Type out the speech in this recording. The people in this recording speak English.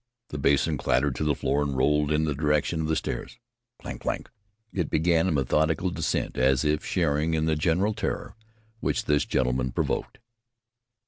The basin clattered to the floor and rolled in the direction of the stairs. Clank! Clank! It began a methodical descent as if sharing in the general terror which this gentleman provoked.